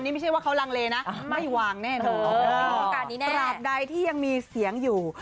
นี่ไม่ใช่ว่าเขาลังเลนะไม่วางแน่นอนตราบใดที่ยังมีเสียงอยู่